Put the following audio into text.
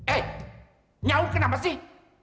eh nyaur kenapa sih